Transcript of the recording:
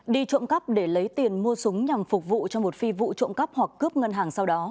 đi trộm cắp để lấy tiền mua súng nhằm phục vụ cho một phi vụ trộm cắp hoặc cướp ngân hàng sau đó